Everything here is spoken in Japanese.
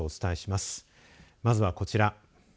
まずは、こちら。